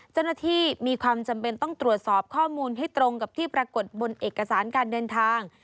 มีความจำเป็นต้องตรวจสอบข้อมูลให้ตรงกับที่ปรากฏบนเอกสารการเดินทาง